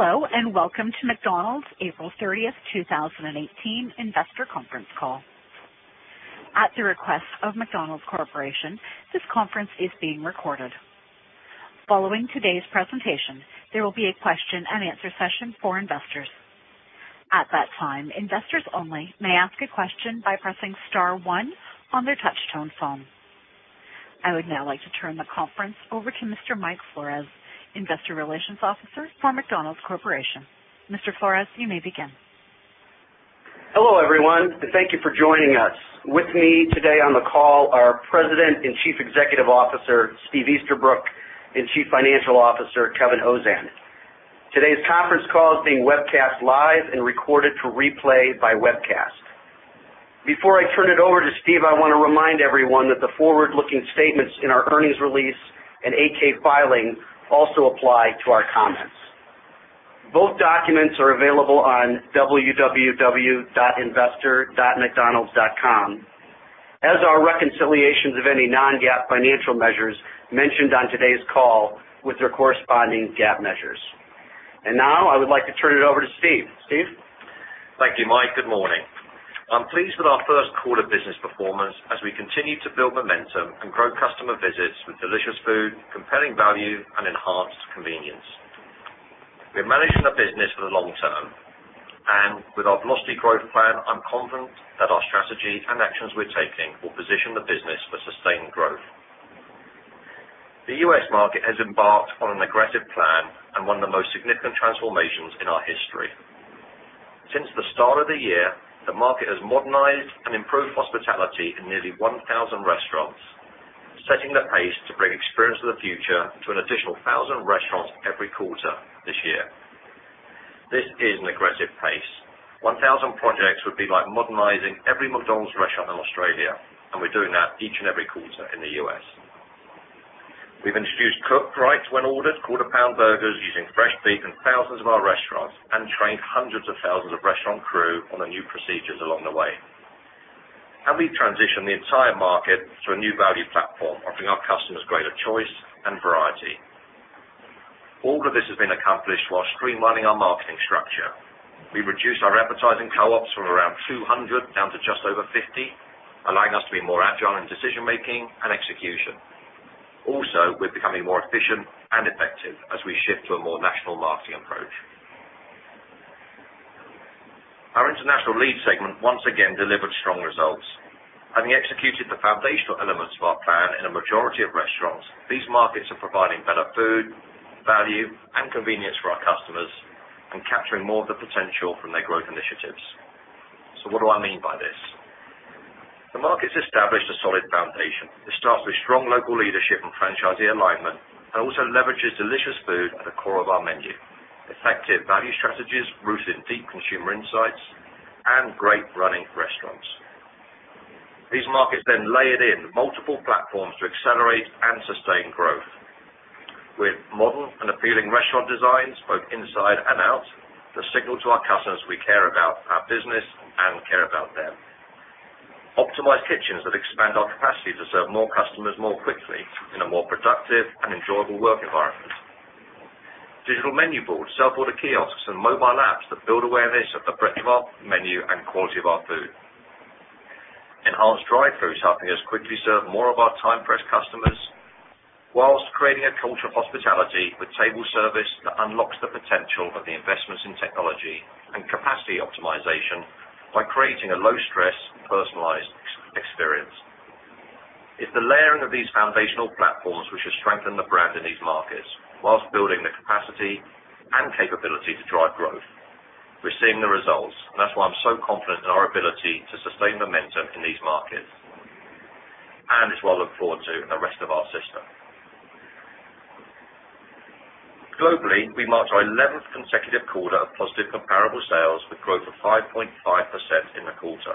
Hello, welcome to McDonald's April 30th, 2018 investor conference call. At the request of McDonald's Corporation, this conference is being recorded. Following today's presentation, there will be a question and answer session for investors. At that time, investors only may ask a question by pressing star one on their touch-tone phone. I would now like to turn the conference over to Mr. Mike Flores, Investor Relations Officer for McDonald's Corporation. Mr. Flores, you may begin. Hello, everyone, thank you for joining us. With me today on the call are President and Chief Executive Officer, Steve Easterbrook, and Chief Financial Officer, Kevin Ozan. Today's conference call is being webcast live and recorded for replay by webcast. Before I turn it over to Steve, I want to remind everyone that the forward-looking statements in our earnings release and 8-K filing also apply to our comments. Both documents are available on www.investor.mcdonalds.com, as are reconciliations of any non-GAAP financial measures mentioned on today's call with their corresponding GAAP measures. Now I would like to turn it over to Steve. Steve? Thank you, Mike. Good morning. I'm pleased with our first quarter business performance as we continue to build momentum and grow customer visits with delicious food, compelling value, and enhanced convenience. We're managing the business for the long term, and with our Velocity Growth Plan, I'm confident that our strategy and actions we're taking will position the business for sustained growth. The U.S. market has embarked on an aggressive plan and one of the most significant transformations in our history. Since the start of the year, the market has modernized and improved hospitality in nearly 1,000 restaurants, setting the pace to bring Experience of the Future to an additional 1,000 restaurants every quarter this year. This is an aggressive pace. 1,000 projects would be like modernizing every McDonald's restaurant in Australia, and we're doing that each and every quarter in the U.S. We've introduced cooked right when ordered Quarter Pounder burgers using fresh beef in thousands of our restaurants and trained hundreds of thousands of restaurant crew on the new procedures along the way. We've transitioned the entire market to a new value platform, offering our customers greater choice and variety. All of this has been accomplished while streamlining our marketing structure. We reduced our advertising co-ops from around 200 down to just over 50, allowing us to be more agile in decision-making and execution. Also, we're becoming more efficient and effective as we shift to a more national marketing approach. Our International Lead segment once again delivered strong results. Having executed the foundational elements of our plan in a majority of restaurants, these markets are providing better food, value, and convenience for our customers and capturing more of the potential from their growth initiatives. What do I mean by this? The markets established a solid foundation. This starts with strong local leadership and franchisee alignment and also leverages delicious food at the core of our menu, effective value strategies rooted in deep consumer insights, and great running restaurants. These markets layered in multiple platforms to accelerate and sustain growth with modern and appealing restaurant designs, both inside and out, that signal to our customers we care about our business and care about them. Optimized kitchens that expand our capacity to serve more customers more quickly in a more productive and enjoyable work environment. Digital menu boards, self-order kiosks, and mobile apps that build awareness of the breadth of our menu and quality of our food. Enhanced drive-throughs helping us quickly serve more of our time-pressed customers whilst creating a culture of hospitality with table service that unlocks the potential of the investments in technology and capacity optimization by creating a low-stress, personalized experience. It's the layering of these foundational platforms which has strengthened the brand in these markets whilst building the capacity and capability to drive growth. We're seeing the results, that's why I'm so confident in our ability to sustain momentum in these markets. It's what I look forward to in the rest of our system. Globally, we marked our 11th consecutive quarter of positive comparable sales with growth of 5.5% in the quarter.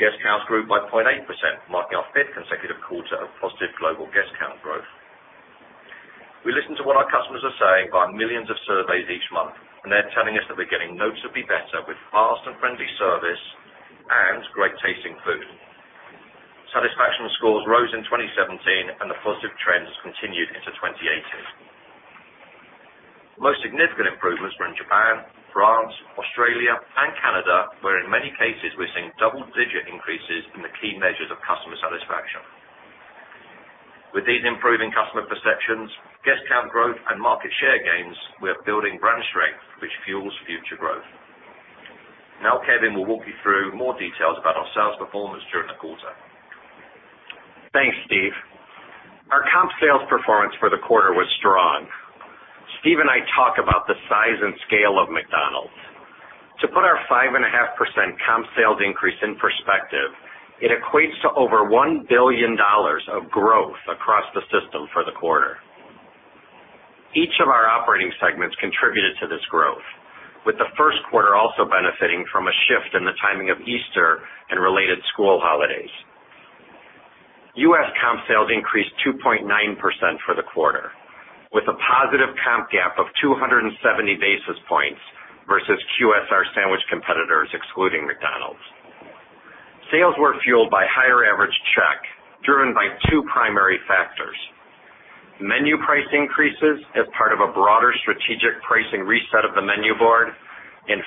Guest counts grew by 0.8%, marking our fifth consecutive quarter of positive global guest count growth. We listen to what our customers are saying by millions of surveys each month, they're telling us that we're getting noticeably better with fast and friendly service and great-tasting food. Satisfaction scores rose in 2017, the positive trends continued into 2018. Most significant improvements were in Japan, France, Australia, and Canada, where in many cases, we're seeing double-digit increases in the key measures of customer satisfaction. With these improving customer perceptions, guest count growth, and market share gains, we are building brand strength, which fuels future growth. Kevin will walk you through more details about our sales performance during the quarter. Thanks, Steve. Our comp sales performance for the quarter was strong. Steve and I talk about the size and scale of McDonald's. To put our 5.5% comp sales increase in perspective, it equates to over $1 billion of growth across the system for the quarter. Each of our operating segments contributed to this growth, with the first quarter also benefiting from a shift in the timing of Easter and related school holidays. U.S. comp sales increased 2.9% for the quarter, with a positive comp gap of 270 basis points versus QSR sandwich competitors excluding McDonald's. Sales were fueled by higher average check, driven by two primary factors. Menu price increases as part of a broader strategic pricing reset of the menu board,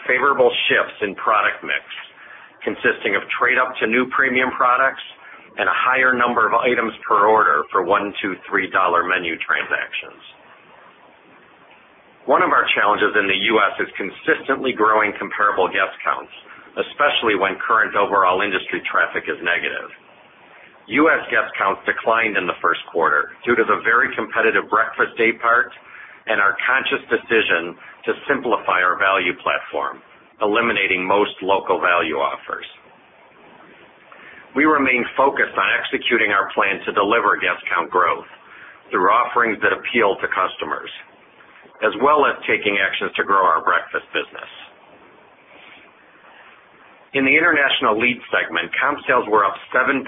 favorable shifts in product mix, consisting of trade-up to new premium products and a higher number of items per order for $1, $2, $3 Menu transactions. One of our challenges in the U.S. is consistently growing comparable guest counts, especially when current overall industry traffic is negative. U.S. guest counts declined in the first quarter due to the very competitive breakfast day part and our conscious decision to simplify our value platform, eliminating most local value offers. We remain focused on executing our plan to deliver guest count growth through offerings that appeal to customers, as well as taking actions to grow our breakfast business. In the International Lead segment, comp sales were up 7.8%,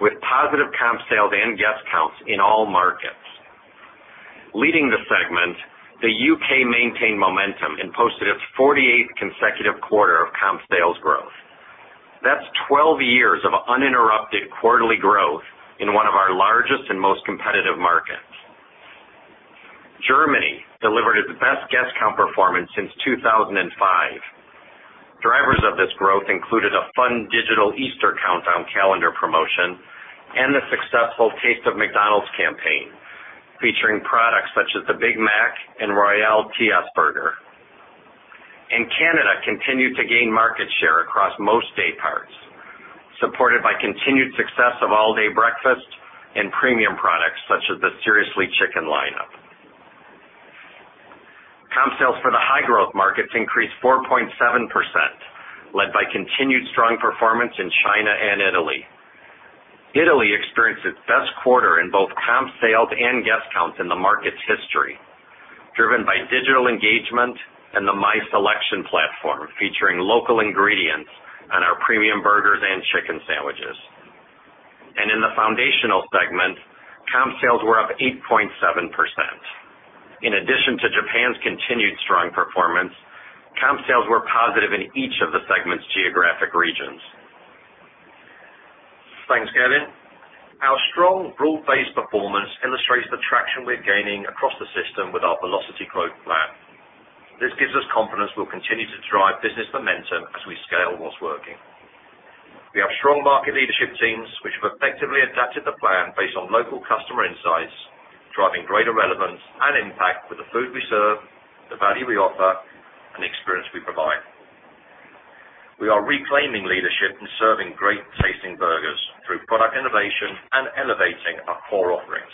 with positive comp sales and guest counts in all markets. Leading the segment, the U.K. maintained momentum and posted its 48th consecutive quarter of comp sales growth. That's 12 years of uninterrupted quarterly growth in one of our largest and most competitive markets. Germany delivered its best guest count performance since 2005. Drivers of this growth included a fun digital Easter countdown calendar promotion and the successful Great Taste of McDonald's campaign, featuring products such as the Big Mac and Hamburger Royal TS. Canada continued to gain market share across most day parts, supported by continued success of all-day breakfast and premium products such as the Seriously Chicken lineup. Comp sales for the high-growth markets increased 4.7%, led by continued strong performance in China and Italy. Italy experienced its best quarter in both comp sales and guest counts in the market's history, driven by digital engagement and the My Selection platform, featuring local ingredients on our premium burgers and chicken sandwiches. In the foundational segment, comp sales were up 8.7%. In addition to Japan's continued strong performance, comp sales were positive in each of the segment's geographic regions. Thanks, Kevin. Our strong broad-based performance illustrates the traction we're gaining across the system with our Velocity Growth Plan. This gives us confidence we'll continue to drive business momentum as we scale what's working. We have strong market leadership teams which have effectively adapted the plan based on local customer insights, driving greater relevance and impact with the food we serve, the value we offer, and the experience we provide. We are reclaiming leadership in serving great-tasting burgers through product innovation and elevating our core offerings.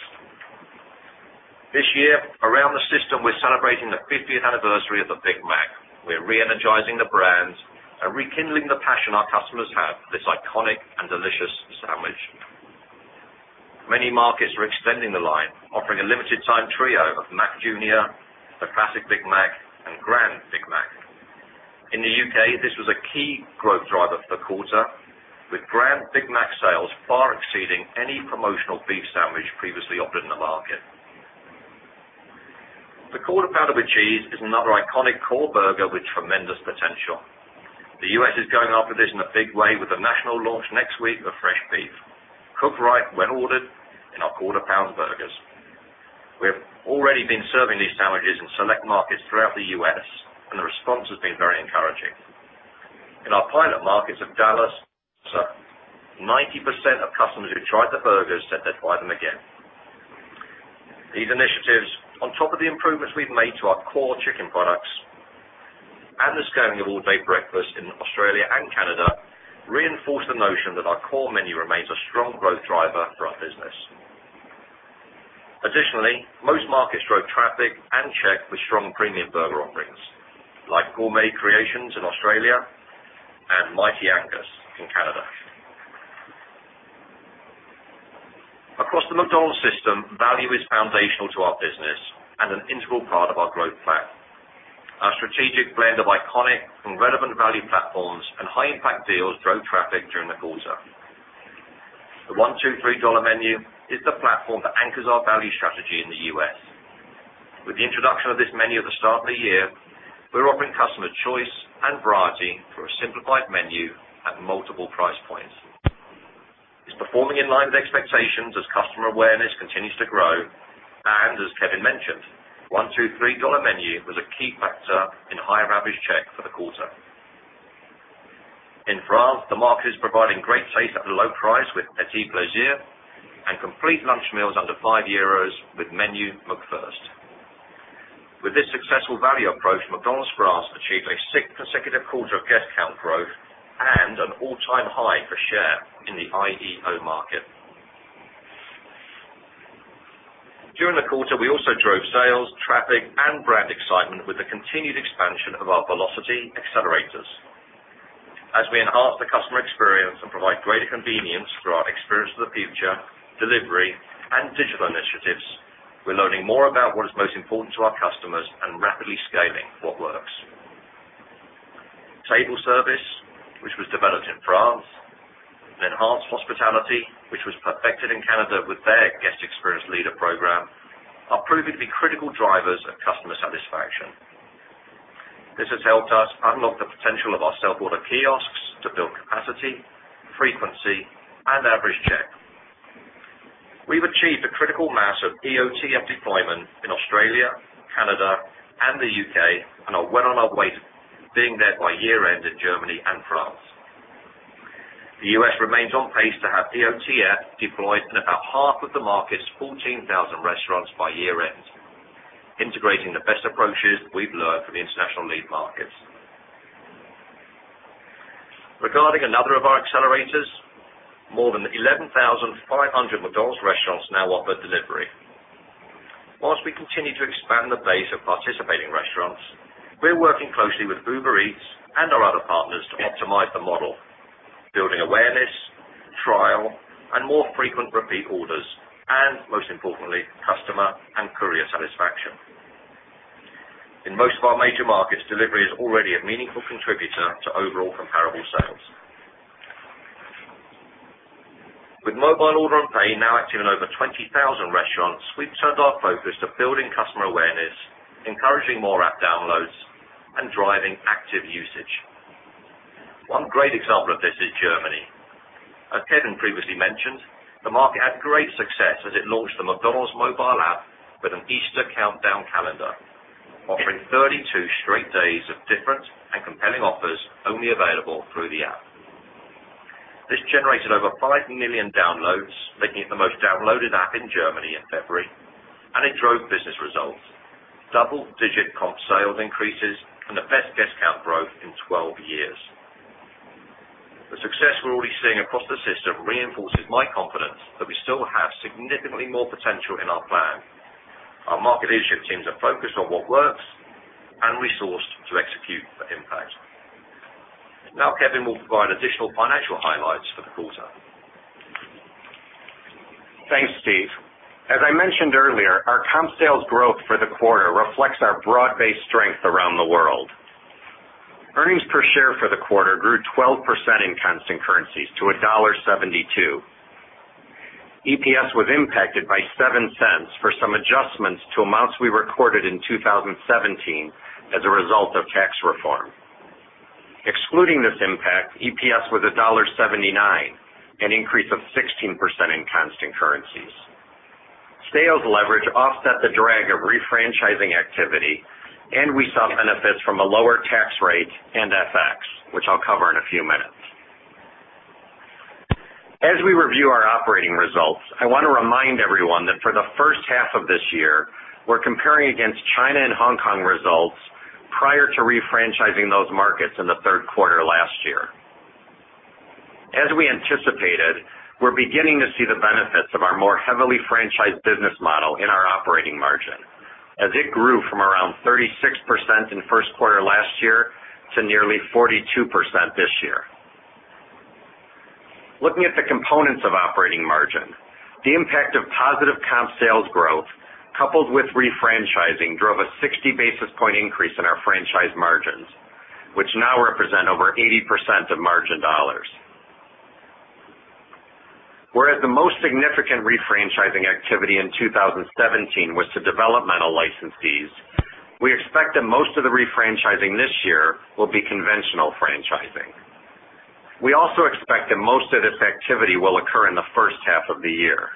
This year, around the system, we're celebrating the 50th anniversary of the Big Mac. We're re-energizing the brand and rekindling the passion our customers have for this iconic and delicious sandwich. Many markets are extending the line, offering a limited time trio of Mac Jr., the classic Big Mac, and Grand Big Mac. In the U.K., this was a key growth driver for the quarter, with Grand Big Mac sales far exceeding any promotional beef sandwich previously offered in the market. The Quarter Pounder with Cheese is another iconic core burger with tremendous potential. The U.S. is going after this in a big way with a national launch next week of fresh beef, cooked right when ordered in our Quarter Pounder burgers. We have already been serving these sandwiches in select markets throughout the U.S., and the response has been very encouraging. In our pilot markets of Dallas, 90% of customers who tried the burgers said they'd buy them again. These initiatives, on top of the improvements we've made to our core chicken products and the scaling of all-day breakfast in Australia and Canada, reinforce the notion that our core menu remains a strong growth driver for our business. Most markets drove traffic and check with strong premium burger offerings like Gourmet Creations in Australia and Mighty Angus in Canada. Across the McDonald's system, value is foundational to our business and an integral part of our growth plan. Our strategic blend of iconic and relevant value platforms and high-impact deals drove traffic during the quarter. The $1, $2, $3 Dollar Menu is the platform that anchors our value strategy in the U.S. With the introduction of this menu at the start of the year, we're offering customers choice and variety through a simplified menu at multiple price points. It's performing in line with expectations as customer awareness continues to grow, and as Kevin mentioned, the $1, $2, $3 Dollar Menu was a key factor in higher average check for the quarter. In France, the market is providing great taste at a low price with Petits Plaisirs and complete lunch meals under 5 euros with Menu McFirst. With this successful value approach, McDonald's France achieved a sixth consecutive quarter of guest count growth and an all-time high for share in the IEO market. During the quarter, we also drove sales, traffic, and brand excitement with the continued expansion of our Velocity accelerators. As we enhance the customer experience and provide greater convenience through our Experience of the Future, delivery, and digital initiatives, we're learning more about what is most important to our customers and rapidly scaling what works. Table service, which was developed in France. Enhanced hospitality, which was perfected in Canada with their guest experience leader program, are proving to be critical drivers of customer satisfaction. This has helped us unlock the potential of our self-order kiosks to build capacity, frequency, and average check. We've achieved a critical mass of EOTF deployment in Australia, Canada, and the U.K., and are well on our way to being there by year-end in Germany and France. The U.S. remains on pace to have EOTF deployed in about half of the market's 14,000 restaurants by year-end, integrating the best approaches we've learned from the international lead markets. Regarding another of our accelerators, more than 11,500 McDonald's restaurants now offer delivery. Whilst we continue to expand the base of participating restaurants, we're working closely with Uber Eats and our other partners to optimize the model, building awareness, trial, and more frequent repeat orders, and most importantly, customer and courier satisfaction. In most of our major markets, delivery is already a meaningful contributor to overall comparable sales. With mobile order and pay now active in over 20,000 restaurants, we've turned our focus to building customer awareness, encouraging more app downloads, and driving active usage. One great example of this is Germany. As Kevin Ozan previously mentioned, the market had great success as it launched the McDonald's mobile app with an Easter countdown calendar, offering 32 straight days of different and compelling offers only available through the app. This generated over 5 million downloads, making it the most downloaded app in Germany in February, and it drove business results, double-digit comp sales increases, and the best guest count growth in 12 years. The success we're already seeing across the system reinforces my confidence that we still have significantly more potential in our plan. Our market leadership teams are focused on what works and resourced to execute for impact. Kevin Ozan will provide additional financial highlights for the quarter. Thanks, Steve Easterbrook. As I mentioned earlier, our comp sales growth for the quarter reflects our broad-based strength around the world. Earnings per share for the quarter grew 12% in constant currencies to $1.72. EPS was impacted by $0.07 for some adjustments to amounts we recorded in 2017 as a result of tax reform. Excluding this impact, EPS was $1.79, an increase of 16% in constant currencies. Sales leverage offset the drag of refranchising activity, and we saw benefits from a lower tax rate and FX, which I'll cover in a few minutes. As we review our operating results, I want to remind everyone that for the first half of this year, we're comparing against China and Hong Kong results prior to refranchising those markets in the third quarter last year. As we anticipated, we're beginning to see the benefits of our more heavily franchised business model in our operating margin as it grew from around 36% in the first quarter last year to nearly 42% this year. Looking at the components of operating margin, the impact of positive comp sales growth, coupled with refranchising, drove a 60 basis point increase in our franchise margins, which now represent over 80% of margin dollars. Whereas the most significant refranchising activity in 2017 was to developmental licensees, we expect that most of the refranchising this year will be conventional franchising. We also expect that most of this activity will occur in the first half of the year.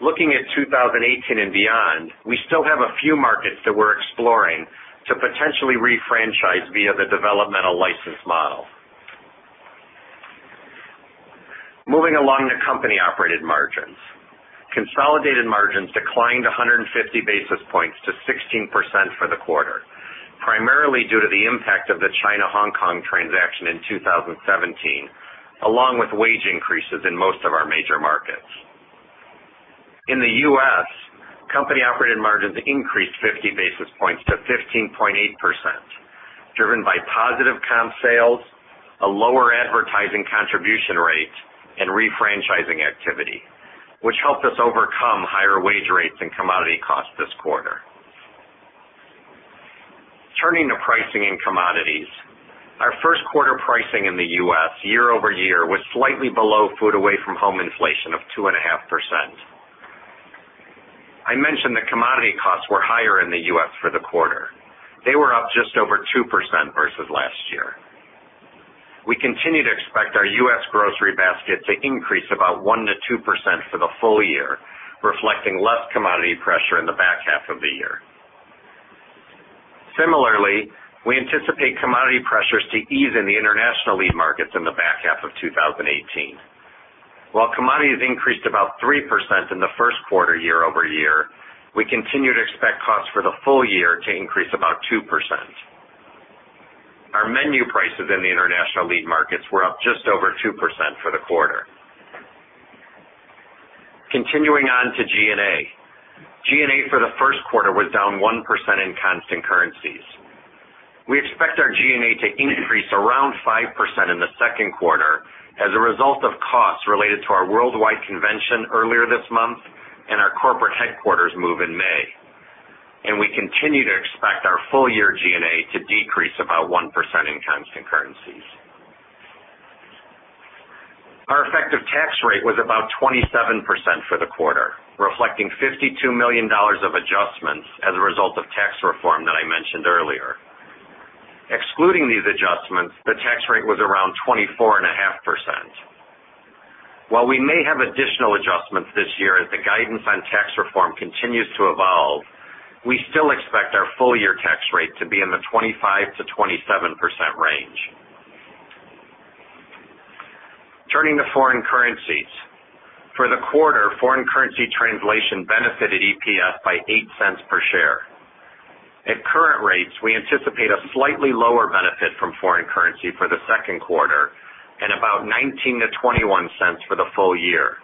Looking at 2018 and beyond, we still have a few markets that we're exploring to potentially refranchise via the developmental license model. Moving along to company-operated margins. Consolidated margins declined 150 basis points to 16% for the quarter, primarily due to the impact of the China-Hong Kong transaction in 2017, along with wage increases in most of our major markets. In the U.S., company-operated margins increased 50 basis points to 15.8%, driven by positive comp sales, a lower advertising contribution rate, and refranchising activity, which helped us overcome higher wage rates and commodity costs this quarter. Turning to pricing and commodities. Our first quarter pricing in the U.S. year-over-year was slightly below food away from home inflation of 2.5%. I mentioned that commodity costs were higher in the U.S. for the quarter. They were up just over 2% versus last year. We continue to expect our U.S. grocery basket to increase about 1%-2% for the full year, reflecting less commodity pressure in the back half of the year. Similarly, we anticipate commodity pressures to ease in the international lead markets in the back half of 2018. While commodities increased about 3% in the first quarter year-over-year, we continue to expect costs for the full year to increase about 2%. Our menu prices in the international lead markets were up just over 2% for the quarter. Continuing on to G&A. G&A for the first quarter was down 1% in constant currencies. We expect our G&A to increase around 5% in the second quarter as a result of costs related to our worldwide convention earlier this month and our corporate headquarters move in May. We continue to expect our full-year G&A to decrease about 1% in terms of currencies. Our effective tax rate was about 27% for the quarter, reflecting $52 million of adjustments as a result of tax reform that I mentioned earlier. Excluding these adjustments, the tax rate was around 24.5%. While we may have additional adjustments this year as the guidance on tax reform continues to evolve, we still expect our full-year tax rate to be in the 25%-27% range. Turning to foreign currencies. For the quarter, foreign currency translation benefited EPS by $0.08 per share. At current rates, we anticipate a slightly lower benefit from foreign currency for the second quarter and about $0.19-$0.21 for the full year.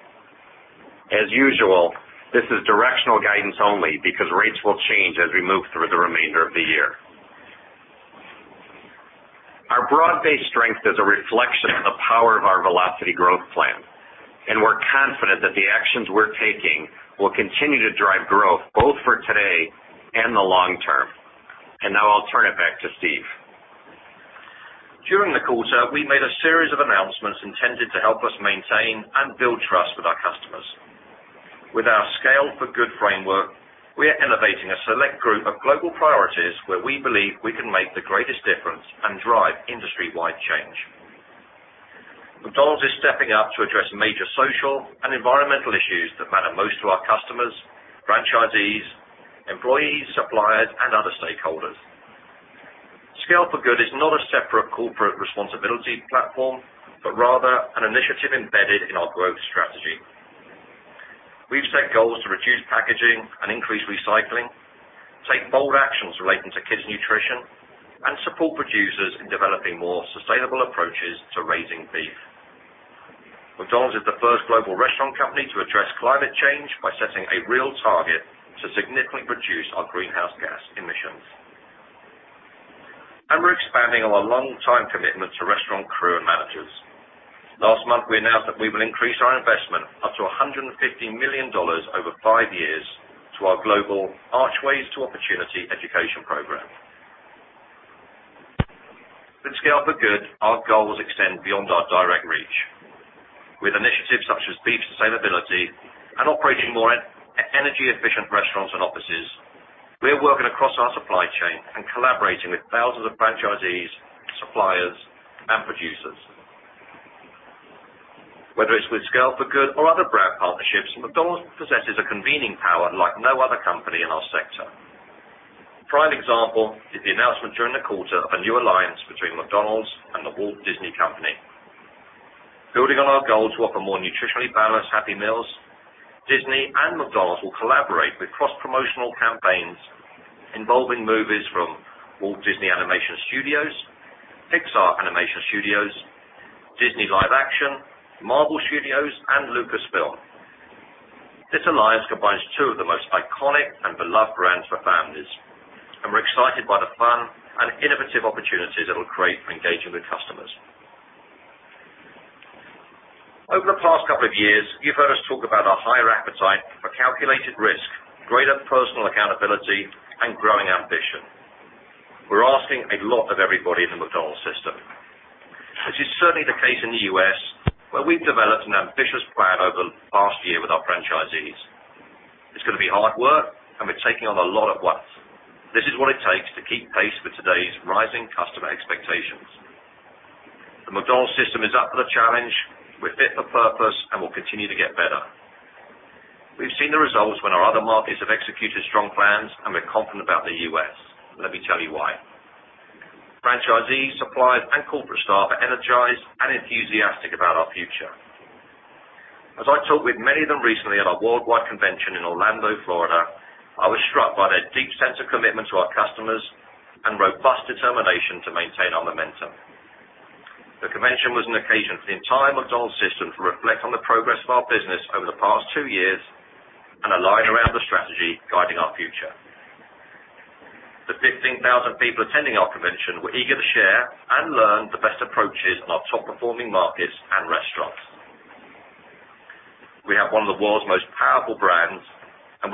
As usual, this is directional guidance only because rates will change as we move through the remainder of the year. Our broad-based strength is a reflection of the power of our Velocity Growth Plan, and we're confident that the actions we're taking will continue to drive growth both for today and the long term. Now I'll turn it back to Steve. During the quarter, we made a series of announcements intended to help us maintain and build trust with our customers. With our Scale for Good framework, we are innovating a select group of global priorities where we believe we can make the greatest difference and drive industry-wide change. McDonald's is stepping up to address major social and environmental issues that matter most to our customers, franchisees, employees, suppliers, and other stakeholders. Scale for Good is not a separate corporate responsibility platform, but rather an initiative embedded in our growth strategy. We've set goals to reduce packaging and increase recycling, take bold actions relating to kids' nutrition, and support producers in developing more sustainable approaches to raising beef. McDonald's is the first global restaurant company to address climate change by setting a real target to significantly reduce our greenhouse gas emissions. We're expanding on our longtime commitment to restaurant crew and managers. Last month, we announced that we will increase our investment up to $150 million over five years to our global Archways to Opportunity education program. With Scale for Good, our goals extend beyond our direct reach. With initiatives such as beef sustainability and operating more energy-efficient restaurants and offices, we are working across our supply chain and collaborating with thousands of franchisees, suppliers, and producers. Whether it's with Scale for Good or other brand partnerships, McDonald's possesses a convening power like no other company in our sector. A prime example is the announcement during the quarter of a new alliance between McDonald's and The Walt Disney Company. Building on our goal to offer more nutritionally balanced Happy Meals, Disney and McDonald's will collaborate with cross-promotional campaigns involving movies from Walt Disney Animation Studios, Pixar Animation Studios, Disney Live Action, Marvel Studios, and Lucasfilm. This alliance combines two of the most iconic and beloved brands for families, and we're excited by the fun and innovative opportunities it'll create for engaging with customers. Over the past couple of years, you've heard us talk about our higher appetite for calculated risk, greater personal accountability, and growing ambition. We're asking a lot of everybody in the McDonald's system. This is certainly the case in the U.S., where we've developed an ambitious plan over the past year with our franchisees. It's going to be hard work, and we're taking on a lot at once. This is what it takes to keep pace with today's rising customer expectations. The McDonald's system is up for the challenge. We're fit for purpose and will continue to get better. We've seen the results when our other markets have executed strong plans, and we're confident about the U.S. Let me tell you why. Franchisees, suppliers, and corporate staff are energized and enthusiastic about our future. As I talked with many of them recently at our worldwide convention in Orlando, Florida, I was struck by their deep sense of commitment to our customers and robust determination to maintain our momentum. The convention was an occasion for the entire McDonald's system to reflect on the progress of our business over the past two years and align around the strategy guiding our future. The 15,000 people attending our convention were eager to share and learn the best approaches in our top-performing markets and restaurants. We have one of the world's most powerful brands,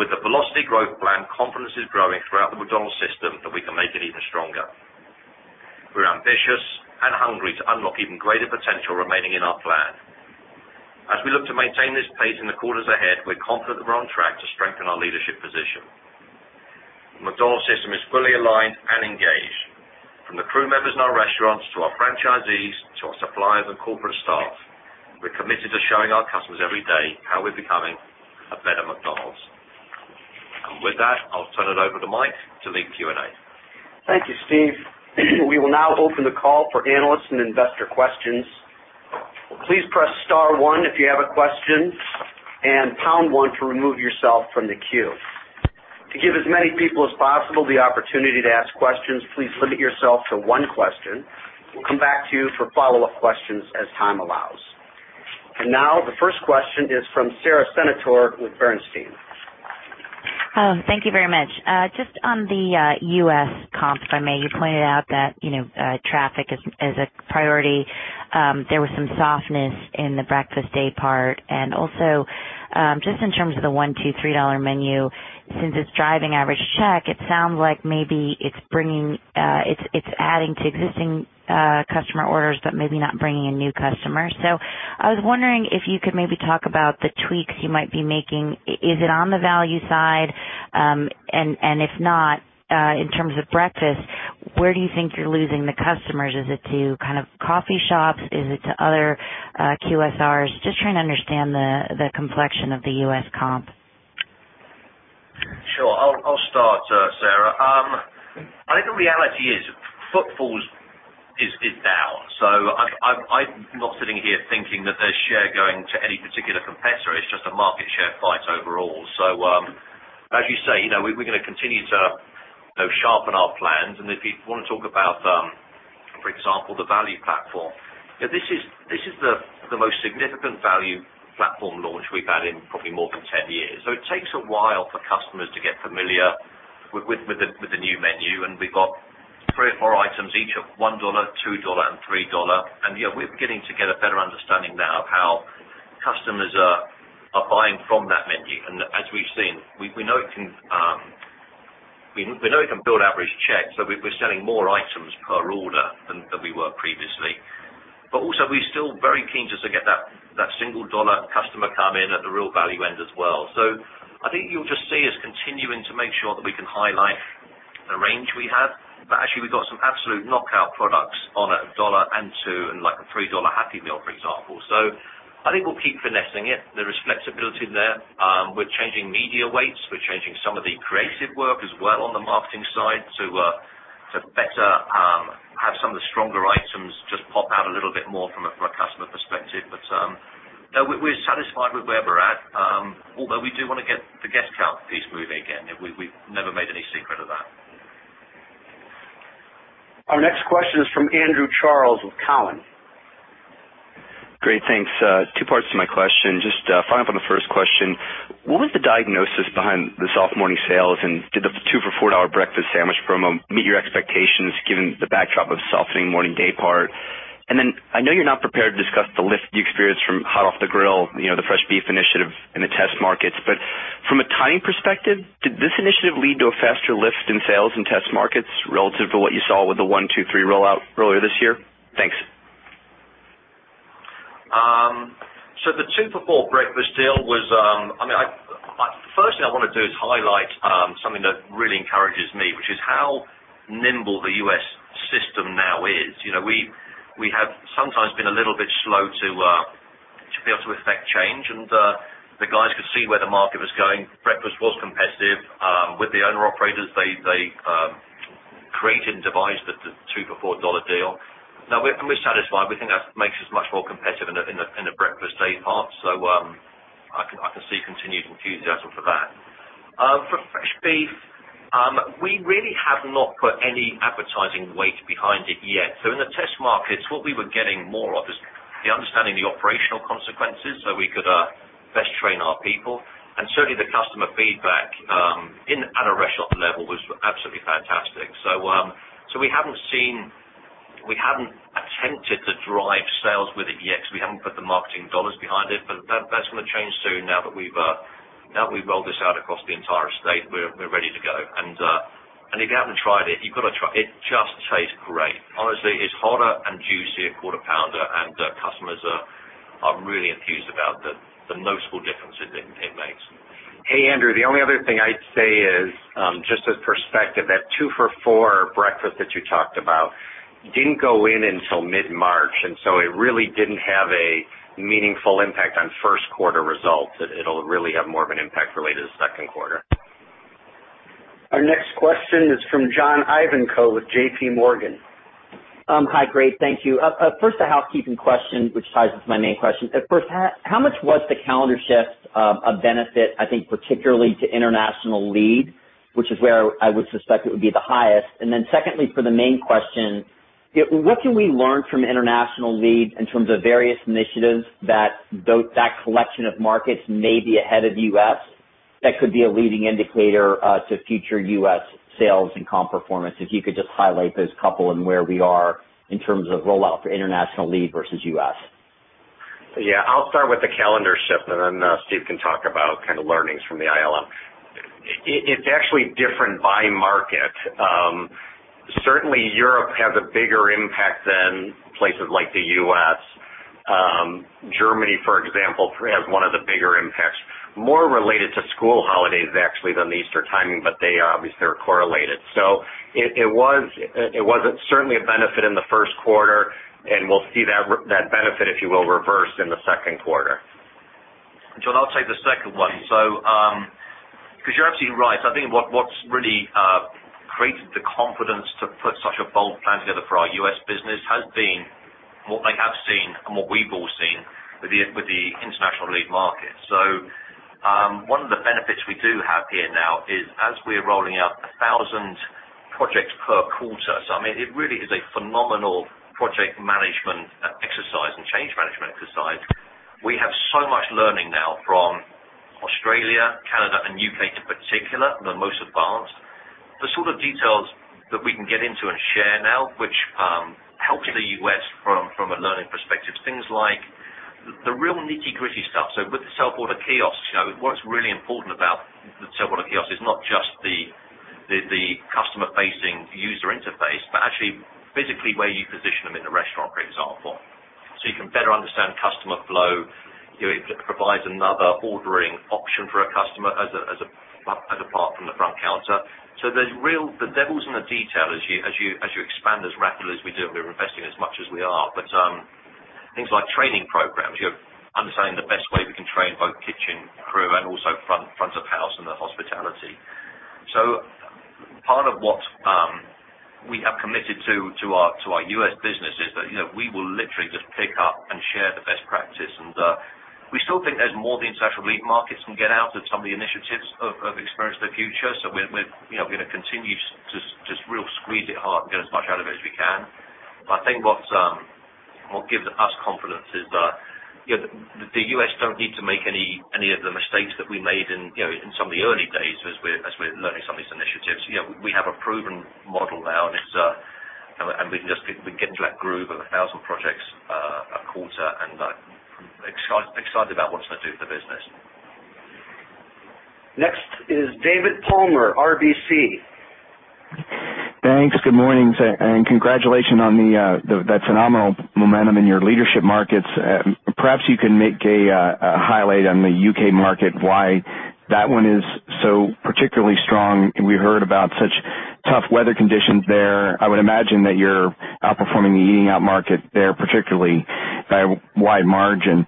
with the Velocity Growth Plan, confidence is growing throughout the McDonald's system that we can make it even stronger. We're ambitious and hungry to unlock even greater potential remaining in our plan. As we look to maintain this pace in the quarters ahead, we're confident that we're on track to strengthen our leadership position. The McDonald's system is fully aligned and engaged. From the crew members in our restaurants to our franchisees to our suppliers and corporate staff, we're committed to showing our customers every day how we're becoming a better McDonald's. With that, I'll turn it over to Mike to lead Q&A. Thank you, Steve. We will now open the call for analyst and investor questions. Please press star one if you have a question, and pound one to remove yourself from the queue. To give as many people as possible the opportunity to ask questions, please limit yourself to one question. We'll come back to you for follow-up questions as time allows. Now the first question is from Sara Senatore with Bernstein. Thank you very much. Just on the U.S. comps, if I may. You pointed out that traffic is a priority. There was some softness in the breakfast day part and also Just in terms of the $1, $2, $3 Menu, since it's driving average check, it sounds like maybe it's adding to existing customer orders but maybe not bringing in new customers. I was wondering if you could maybe talk about the tweaks you might be making. Is it on the value side? If not, in terms of breakfast, where do you think you're losing the customers? Is it to coffee shops? Is it to other QSRs? Just trying to understand the complexion of the U.S. comp. Sure. I'll start, Sara. I think the reality is footfalls is down. I'm not sitting here thinking that there's share going to any particular competitor. It's just a market share fight overall. As you say, we're going to continue to sharpen our plans, if you want to talk about, for example, the value platform. This is the most significant value platform launch we've had in probably more than 10 years. It takes a while for customers to get familiar with the new menu, we've got three or four items each of $1, $2, and $3. We're beginning to get a better understanding now of how customers are buying from that menu. As we've seen, we know it can build average checks, so we're selling more items per order than we were previously. Also, we're still very keen just to get that single dollar customer come in at the real value end as well. I think you'll just see us continuing to make sure that we can highlight the range we have. Actually, we've got some absolute knockout products on a $1 and $2 and like a $3 Happy Meal, for example. I think we'll keep finessing it. There is flexibility there. We're changing media weights. We're changing some of the creative work as well on the marketing side to better have some of the stronger items just pop out a little bit more from a customer perspective. We're satisfied with where we're at, although we do want to get the guest count piece moving again. We've never made any secret of that. Our next question is from Andrew Charles with Cowen. Great, thanks. Two parts to my question. Just following up on the first question, what was the diagnosis behind the soft morning sales, and did the two for $4 breakfast sandwich promo meet your expectations given the backdrop of softening morning day part? I know you're not prepared to discuss the lift you experienced from Hot Off the Grill, the fresh beef initiative in the test markets. From a timing perspective, did this initiative lead to a faster lift in sales in test markets relative to what you saw with the 1, 2, 3 rollout earlier this year? Thanks. The two for four breakfast deal, firstly I want to do is highlight something that really encourages me, which is how nimble the U.S. system now is. We have sometimes been a little bit slow to be able to effect change. The guys could see where the market was going. Breakfast was competitive. With the owner-operators, they created and devised the two for $4 deal. Now, we're satisfied. We think that makes us much more competitive in the breakfast day part. I can see continued enthusiasm for that. For fresh beef, we really have not put any advertising weight behind it yet. In the test markets, what we were getting more of is the understanding the operational consequences so we could best train our people. Certainly the customer feedback at a restaurant level was absolutely fantastic. We haven't attempted to drive sales with it yet because we haven't put the marketing dollars behind it. That's going to change soon now that we've rolled this out across the entire estate. We're ready to go. If you haven't tried it, you've got to try it. It just tastes great. Honestly, it's hotter and juicier Quarter Pounder. Customers are really enthused about the noticeable differences it makes. Hey, Andrew, the only other thing I'd say is, just as perspective, that two for four breakfast that you talked about didn't go in until mid-March. It really didn't have a meaningful impact on first quarter results. It'll really have more of an impact related to second quarter. Our next question is from John Ivankoe with JPMorgan. Hi, great. Thank you. First, a housekeeping question, which ties into my main question. First, how much was the calendar shift a benefit, I think particularly to international lead, which is where I would suspect it would be the highest? Secondly, for the main question, what can we learn from international lead in terms of various initiatives that collection of markets may be ahead of U.S. that could be a leading indicator to future U.S. sales and comp performance? If you could just highlight those couple and where we are in terms of rollout for international lead versus U.S. I'll start with the calendar shift. Steve can talk about learnings from the ILM. It's actually different by market. Certainly, Europe has a bigger impact than places like the U.S. Germany, for example, has one of the bigger impacts, more related to school holidays, actually, than the Easter timing, but they obviously are correlated. It was certainly a benefit in the first quarter, we'll see that benefit, if you will, reverse in the second quarter. John, I'll take the second one. You're absolutely right. I think what's really created the confidence to put such a bold plan together for our U.S. business has been what they have seen and what we've all seen with the international lead market. One of the benefits we do have here now is as we're rolling out 1,000 projects per quarter, it really is a phenomenal project management exercise and change management exercise. We have so much learning now from Australia, Canada, and U.K. in particular, they're most advanced. The sort of details that we can get into and share now, which helps the U.S. from a learning perspective, things like the real nitty-gritty stuff. With the self-order kiosks, what's really important about the self-order kiosks is not just the customer-facing user interface, but actually physically where you position them in the restaurant, for example. You can better understand customer flow. It provides another ordering option for a customer as apart from the front counter. The devil's in the detail as you expand as rapidly as we do, and we're investing as much as we are. Things like training programs, understanding the best way we can train both kitchen crew and also front of house and the hospitality. Part of what we have committed to our U.S. business is that we will literally just pick up and share the best practice, and we still think there's more the International Lead Markets can get out of some of the initiatives of Experience of the Future. We're going to continue to just really squeeze it hard and get as much out of it as we can. I think what gives us confidence is that the U.S. don't need to make any of the mistakes that we made in some of the early days as we're learning some of these initiatives. We have a proven model now, and we can just get into that groove of 1,000 projects a quarter and excited about what it's going to do for the business. Next is David Palmer, RBC. Thanks. Good morning, congratulations on that phenomenal momentum in your leadership markets. Perhaps you can make a highlight on the U.K. market, why that one is so particularly strong. We heard about such tough weather conditions there. I would imagine that you're outperforming the eating-out market there, particularly by a wide margin.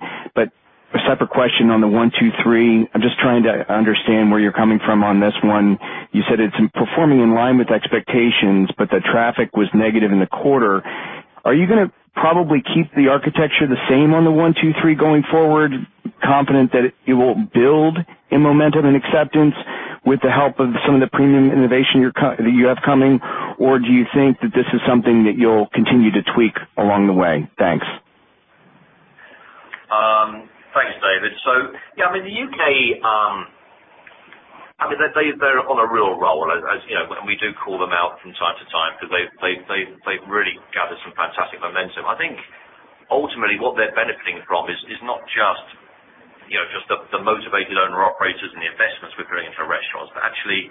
A separate question on the One, Two, Three. I'm just trying to understand where you're coming from on this one. You said it's performing in line with expectations, but the traffic was negative in the quarter. Are you going to probably keep the architecture the same on the One, Two, Three going forward, confident that it will build in momentum and acceptance with the help of some of the premium innovation that you have coming? Do you think that this is something that you'll continue to tweak along the way? Thanks. Thanks, David. The U.K., they're on a real roll, and we do call them out from time to time because they've really gathered some fantastic momentum. I think ultimately what they're benefiting from is not just the motivated owner-operators and the investments we're putting into the restaurants, but actually,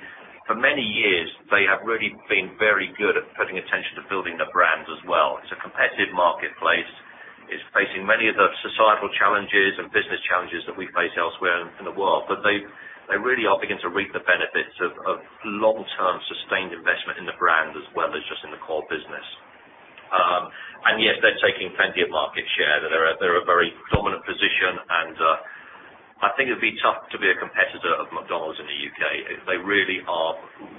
for many years, they have really been very good at paying attention to building the brand as well. It's a competitive marketplace. It's facing many of the societal challenges and business challenges that we face elsewhere in the world. They really are beginning to reap the benefits of long-term sustained investment in the brand as well as just in the core business. Yes, they're taking plenty of market share. They're a very dominant position, and I think it'd be tough to be a competitor of McDonald's in the U.K. They really are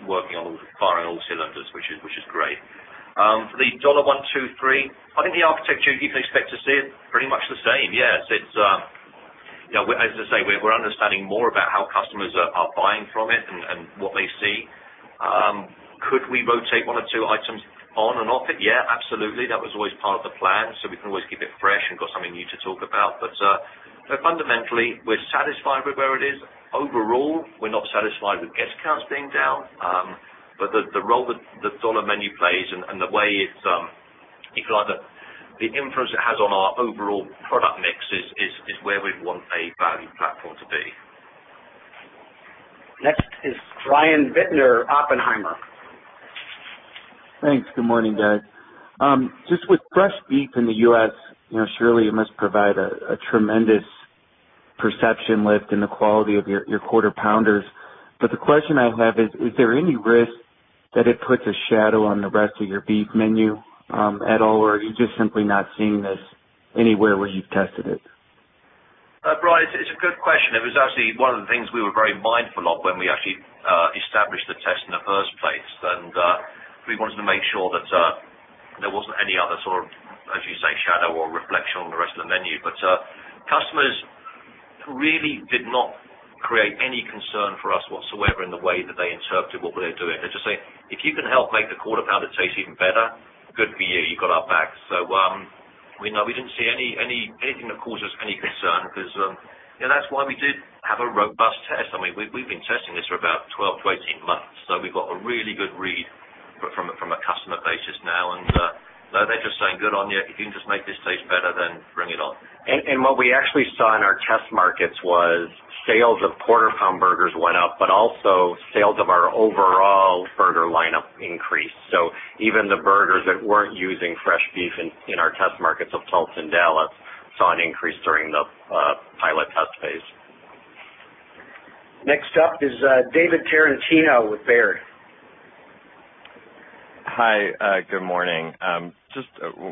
working on firing all cylinders, which is great. For the Dollar One, Two, Three, I think the architecture, you can expect to see it pretty much the same. Yes. As I say, we're understanding more about how customers are buying from it and what they see. Could we rotate one or two items on and off it? Yeah, absolutely. That was always part of the plan, so we can always keep it fresh and got something new to talk about. Fundamentally, we're satisfied with where it is. Overall, we're not satisfied with guest counts being down. The role that the Dollar Menu plays and the influence it has on our overall product mix is where we'd want a value platform to be. Next is Brian Bittner, Oppenheimer. Thanks. Good morning, guys. Just with fresh beef in the U.S., surely it must provide a tremendous perception lift in the quality of your Quarter Pounders. The question I have is: Is there any risk that it puts a shadow on the rest of your beef menu at all, or are you just simply not seeing this anywhere where you've tested it? Brian, it's a good question. It was actually one of the things we were very mindful of when we actually established the test in the first place, and we wanted to make sure that there wasn't any other sort of, as you say, shadow or reflection on the rest of the menu. Customers really did not create any concern for us whatsoever in the way that they interpreted what we were doing. They're just saying, "If you can help make the Quarter Pounder taste even better, good for you. You got our backs." We didn't see anything that caused us any concern because that's why we did have a robust test. We've been testing this for about 12 to 18 months, so we've got a really good read from a customer basis now. No, they're just saying, "Good on you. If you can just make this taste better, bring it on. What we actually saw in our test markets was sales of Quarter Pound burgers went up, but also sales of our overall burger lineup increased. Even the burgers that weren't using fresh beef in our test markets of Tulsa and Dallas saw an increase during the pilot test phase. Next up is David Tarantino with Baird. Hi, good morning. Just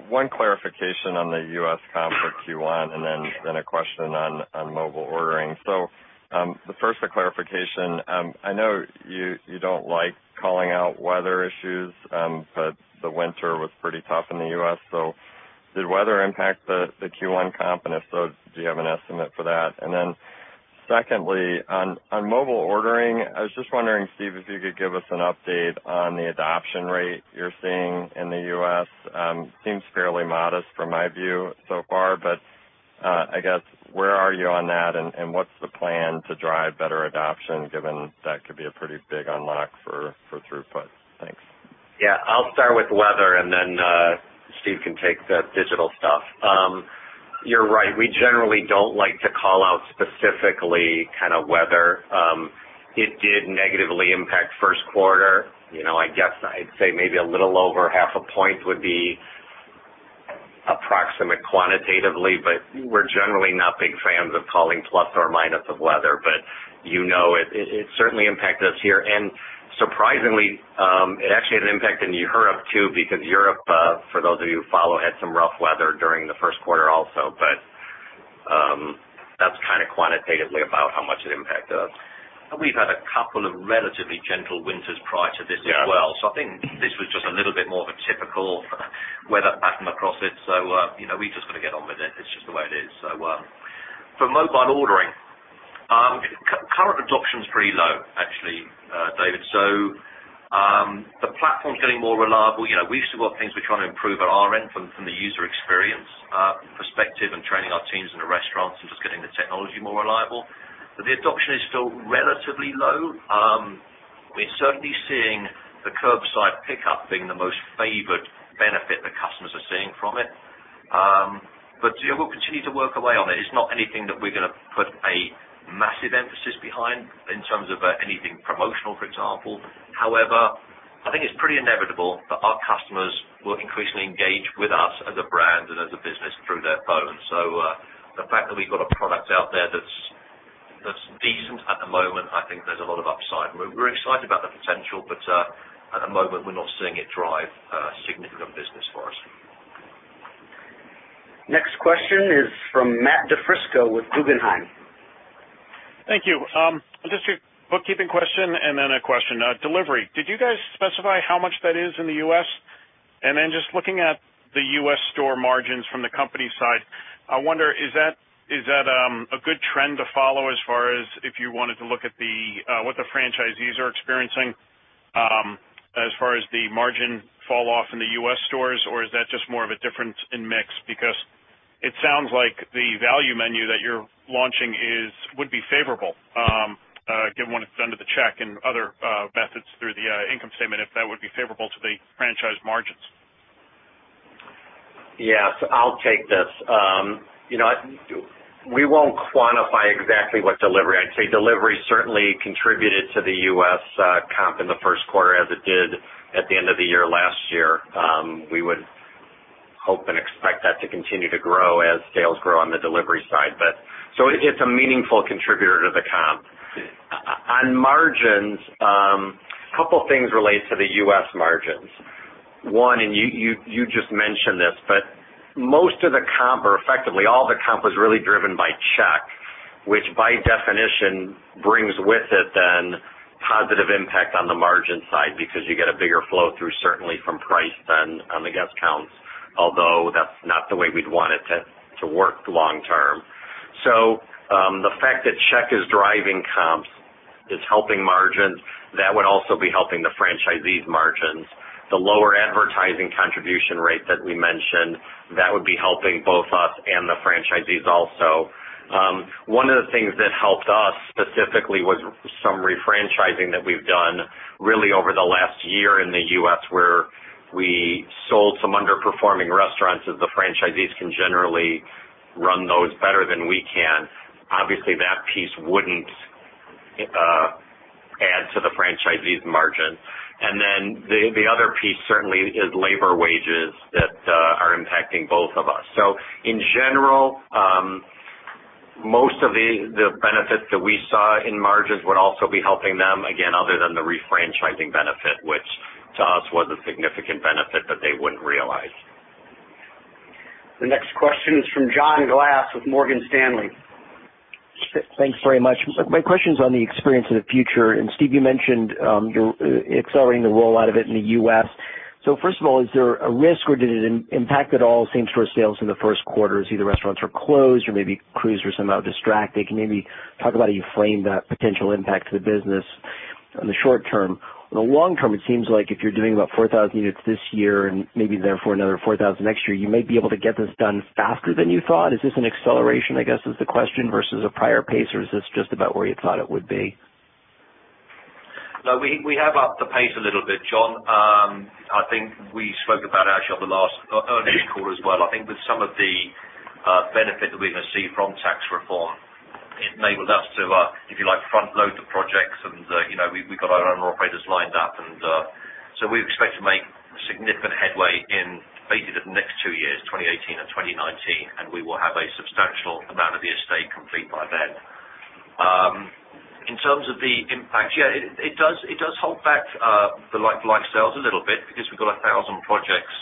one clarification on the U.S. comp for Q1 and then a question on mobile ordering. First, the clarification. I know you don't like calling out weather issues, the winter was pretty tough in the U.S. Did weather impact the Q1 comp? If so, do you have an estimate for that? Secondly, on mobile ordering, I was just wondering, Steve, if you could give us an update on the adoption rate you're seeing in the U.S. Seems fairly modest from my view so far. I guess, where are you on that, and what's the plan to drive better adoption, given that could be a pretty big unlock for throughput? Thanks. Yeah, I'll start with weather and then Steve can take the digital stuff. You're right, we generally don't like to call out specifically weather. It did negatively impact first quarter. I guess I'd say maybe a little over half a point would be approximate quantitatively, but we're generally not big fans of calling plus or minus of weather. You know it. It certainly impacted us here. Surprisingly, it actually had an impact in Europe too, because Europe, for those of you who follow, had some rough weather during the first quarter also. That's quantitatively about how much it impacted us. We've had a couple of relatively gentle winters prior to this as well. Yeah. I think this was just a little bit more of a typical weather pattern across it. We've just got to get on with it. It's just the way it is. For mobile ordering, current adoption's pretty low, actually, David. The platform's getting more reliable. We've still got things we're trying to improve at our end from the user experience perspective and training our teams in the restaurants and just getting the technology more reliable. The adoption is still relatively low. We're certainly seeing the curbside pickup being the most favored benefit that customers are seeing from it. We'll continue to work away on it. It's not anything that we're going to put a massive emphasis behind in terms of anything promotional, for example. However, I think it's pretty inevitable that our customers will increasingly engage with us as a brand and as a business through their phones. The fact that we've got a product out there that's decent at the moment, I think there's a lot of upside. We're excited about the potential, but at the moment, we're not seeing it drive significant business for us. Next question is from Matthew DiFrisco with Guggenheim. Thank you. Just a bookkeeping question and then a question. Delivery, did you guys specify how much that is in the U.S.? Just looking at the U.S. store margins from the company side, I wonder, is that a good trend to follow as far as if you wanted to look at what the franchisees are experiencing as far as the margin falloff in the U.S. stores, or is that just more of a difference in mix? Because it sounds like the value menu that you're launching would be favorable, given when it's done to the check and other methods through the income statement, if that would be favorable to the franchise margins. Yes, I'll take this. We won't quantify exactly what delivery. I'd say delivery certainly contributed to the U.S. comp in the first quarter as it did at the end of the year last year. We would hope and expect that to continue to grow as sales grow on the delivery side. It's a meaningful contributor to the comp. On margins, couple of things relate to the U.S. margins. One, you just mentioned this, most of the comp or effectively all the comp was really driven by check, which by definition brings with it then positive impact on the margin side because you get a bigger flow through certainly from price than on the guest counts, although that's not the way we'd want it to work long term. The fact that check is driving comps is helping margins. That would also be helping the franchisees' margins. The lower advertising contribution rate that we mentioned, that would be helping both us and the franchisees also. One of the things that helped us specifically was some refranchising that we've done really over the last year in the U.S., where we sold some underperforming restaurants as the franchisees can generally run those better than we can. Obviously, that piece wouldn't add to the franchisees' margin. The other piece certainly is labor wages that are impacting both of us. In general, most of the benefits that we saw in margins would also be helping them, again, other than the refranchising benefit, which to us was a significant benefit that they wouldn't realize. The next question is from John Glass with Morgan Stanley. Thanks very much. My question's on the Experience of the Future, Steve, you mentioned you're accelerating the rollout of it in the U.S. First of all, is there a risk or did it impact at all same-store sales in the first quarter as either restaurants were closed or maybe crews were somehow distracted? Can you maybe talk about how you frame that potential impact to the business in the short term? In the long term, it seems like if you're doing about 4,000 units this year and maybe therefore another 4,000 next year, you may be able to get this done faster than you thought. Is this an acceleration, I guess is the question, versus a prior pace, or is this just about where you thought it would be? No, we have upped the pace a little bit, John. I think we spoke about it actually on the last earnings call as well. I think with some of the benefit that we're going to see from tax reform, it enabled us to, if you like front-load the projects and we've got our owner operators lined up. We expect to make significant headway in basically the next two years, 2018 and 2019, and we will have a substantial amount of the estate complete by then. In terms of the impact, yeah, it does hold back the like-for-like sales a little bit because we've got 1,000 projects.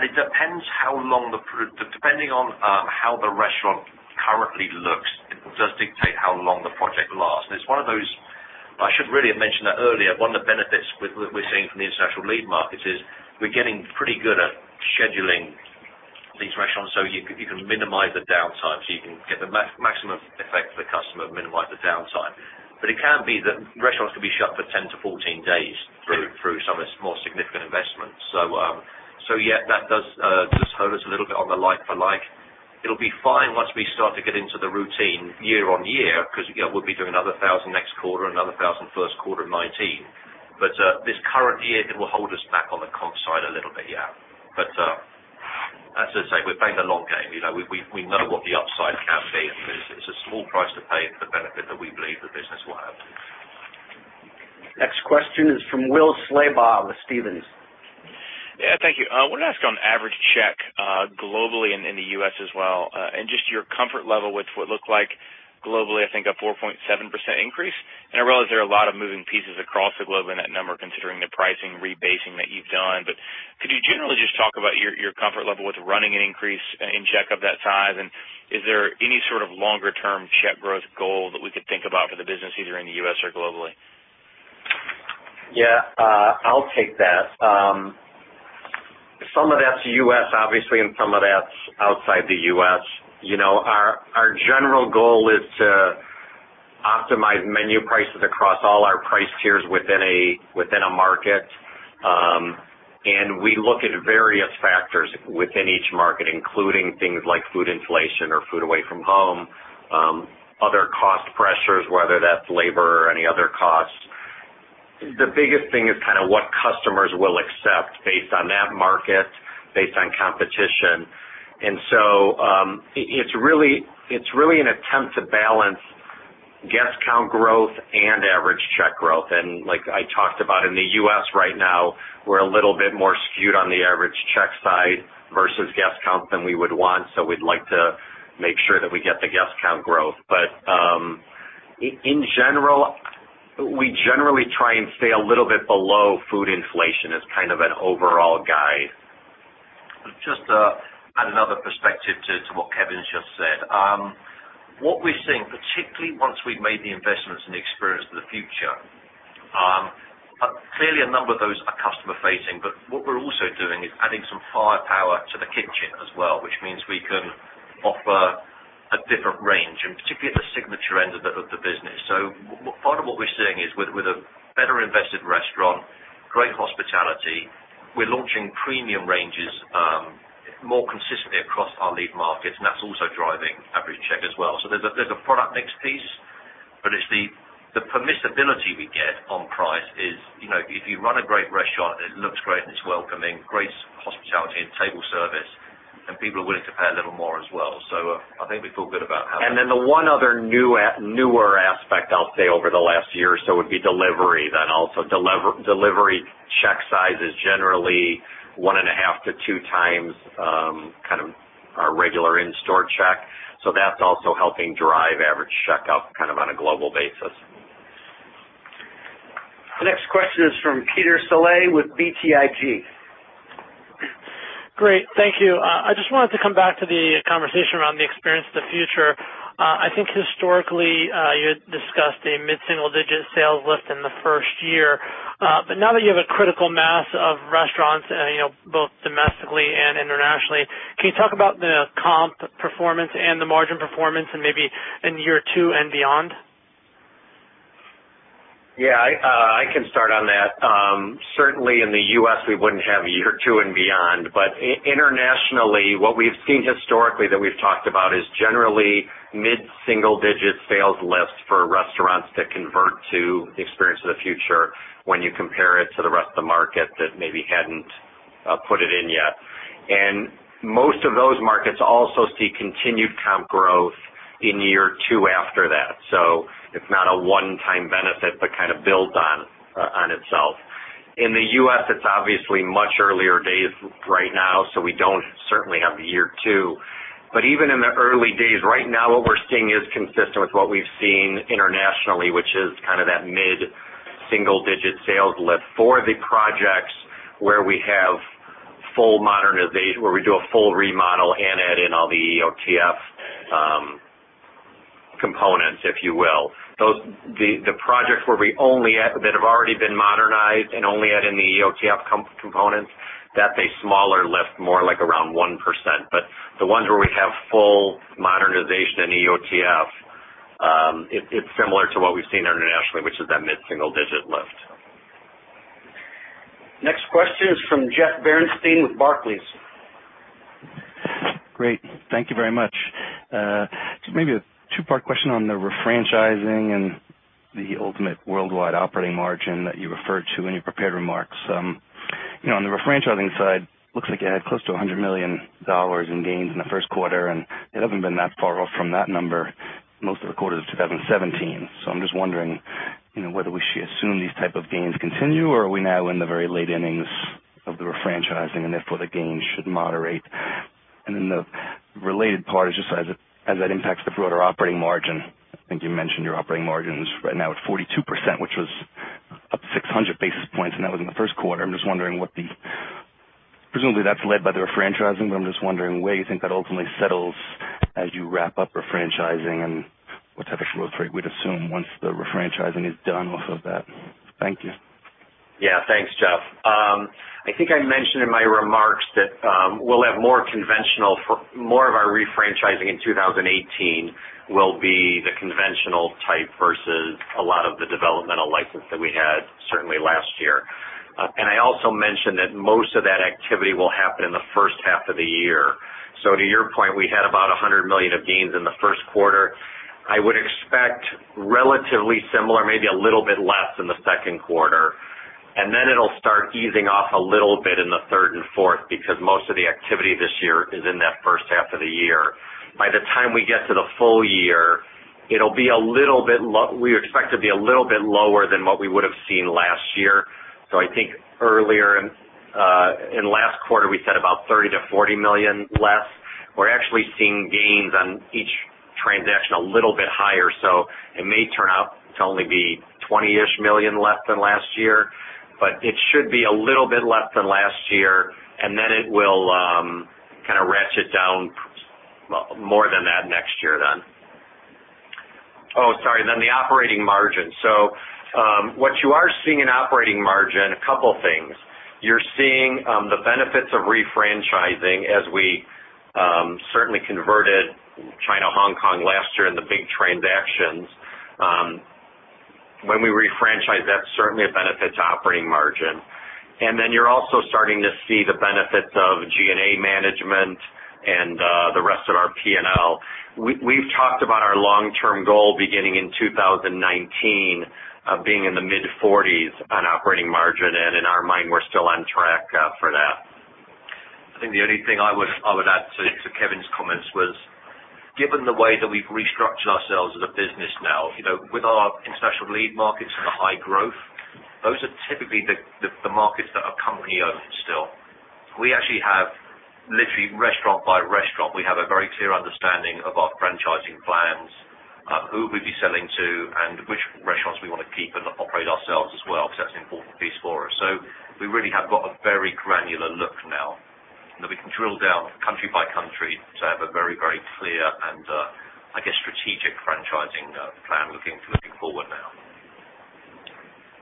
Depending on how the restaurant currently looks, it does dictate how long the project lasts. It's one of those, I should really have mentioned that earlier, one of the benefits we're seeing from the international lead markets is we're getting pretty good at scheduling these restaurants so you can minimize the downtime, to minimize the downside. It can be that restaurants could be shut for 10 to 14 days through some of its more significant investments. Yeah, that does hold us a little bit on the like for like. It'll be fine once we start to get into the routine year on year, because again, we'll be doing another 1,000 next quarter, another 1,000 first quarter of 2019. This current year, it will hold us back on the comp side a little bit. Yeah. As I say, we're playing the long game. We know what the upside can be, and it's a small price to pay for the benefit that we believe the business will have. Next question is from Will Slabaugh with Stephens. Yeah, thank you. I want to ask on average check, globally and in the U.S. as well, just your comfort level with what looked like globally, I think a 4.7% increase. I realize there are a lot of moving pieces across the globe in that number, considering the pricing rebasing that you've done. Could you generally just talk about your comfort level with running an increase in check of that size? Is there any sort of longer-term check growth goal that we could think about for the business, either in the U.S. or globally? Yeah. I'll take that. Some of that's U.S., obviously, some of that's outside the U.S. Our general goal is to optimize menu prices across all our price tiers within a market. We look at various factors within each market, including things like food inflation or food away from home, other cost pressures, whether that's labor or any other costs. The biggest thing is what customers will accept based on that market, based on competition. It's really an attempt to balance guest count growth and average check growth. Like I talked about in the U.S. right now, we're a little bit more skewed on the average check size versus guest count than we would want. We'd like to make sure that we get the guest count growth. In general, we generally try and stay a little bit below food inflation as kind of an overall guide. Just to add another perspective to what Kevin's just said. What we're seeing, particularly once we've made the investments in the Experience of the Future, clearly a number of those are customer facing, but what we're also doing is adding some firepower to the kitchen as well, which means we can offer a different range, and particularly at the signature end of the business. Part of what we're seeing is with a better invested restaurant, great hospitality, we're launching premium ranges more consistently across our lead markets, and that's also driving average check as well. There's a product mix piece, but it's the permissibility we get on price is, if you run a great restaurant and it looks great and it's welcoming, great hospitality and table service, then people are willing to pay a little more as well. The one other newer aspect I'll say over the last year or so would be delivery. Delivery check size is generally one and a half to two times our regular in-store check. That's also helping drive average check up on a global basis. The next question is from Peter Saleh with BTIG. Great. Thank you. I just wanted to come back to the conversation around the Experience of the Future. I think historically, you had discussed a mid-single-digit sales lift in the first year. Now that you have a critical mass of restaurants both domestically and internationally, can you talk about the comp performance and the margin performance and maybe in year two and beyond? Yeah. I can start on that. Certainly in the U.S., we wouldn't have year two and beyond, but internationally, what we've seen historically that we've talked about is generally mid-single-digit sales lifts for restaurants that convert to the Experience of the Future when you compare it to the rest of the market that maybe hadn't put it in yet. Most of those markets also see continued comp growth in year two after that. It's not a one-time benefit, but kind of builds on itself. In the U.S., it's obviously much earlier days right now, so we don't certainly have year two. Even in the early days, right now what we're seeing is consistent with what we've seen internationally, which is that mid-single-digit sales lift for the projects where we have full modernization, where we do a full remodel and add in all the EOTF components, if you will. The projects that have already been modernized and only add in the EOTF components, that's a smaller lift, more like around 1%. The ones where we have full modernization and EOTF, it's similar to what we've seen internationally, which is that mid-single-digit lift. Next question is from Jeffrey Bernstein with Barclays. Great. Thank you very much. Just maybe a two-part question on the refranchising and the ultimate worldwide operating margin that you referred to in your prepared remarks. On the refranchising side, looks like you had close to $100 million in gains in the first quarter, and it hasn't been that far off from that number most of the quarters of 2017. I'm just wondering whether we should assume these type of gains continue, or are we now in the very late innings of the refranchising, and therefore the gains should moderate? The related part is just as that impacts the broader operating margin, I think you mentioned your operating margin is right now at 42%, which was up 600 basis points, and that was in the first quarter. I'm just wondering what presumably that's led by the refranchising. I'm just wondering where you think that ultimately settles as you wrap up refranchising and what type of growth rate we'd assume once the refranchising is done off of that. Thank you. Yeah. Thanks, Jeff. I think I mentioned in my remarks that more of our refranchising in 2018 will be the conventional type versus a lot of the developmental license that we had certainly last year. I also mentioned that most of that activity will happen in the first half of the year. To your point, we had about $100 million of gains in the first quarter. I would expect relatively similar, maybe a little bit less in the second quarter, and then it'll start easing off a little bit in the third and fourth because most of the activity this year is in that first half of the year. By the time we get to the full year, we expect to be a little bit lower than what we would've seen last year. I think earlier in last quarter, we said about $30 million-$40 million less. We're actually seeing gains on each transaction a little bit higher. It may turn out to only be $20 million-ish less than last year, it should be a little bit less than last year, and then it will kind of ratchet down more than that next year then. Oh, sorry. The operating margin. What you are seeing in operating margin, a couple things. You're seeing the benefits of refranchising as we certainly converted China, Hong Kong last year in the big transactions. When we refranchise, that's certainly a benefit to operating margin. You're also starting to see the benefits of G&A management and the rest of our P&L. We've talked about our long-term goal beginning in 2019, being in the mid-40s on operating margin, in our mind, we're still on track for that. I think the only thing I would add to Kevin's comments was, given the way that we've restructured ourselves as a business now, with our international lead markets and the high growth, those are typically the markets that are company-owned still. We actually have, literally restaurant by restaurant, we have a very clear understanding of our franchising plans, who we'd be selling to, and which restaurants we want to keep and operate ourselves as well, because that's an important piece for us. We really have got a very granular look now that we can drill down country by country to have a very clear and, I guess, strategic franchising plan looking forward now.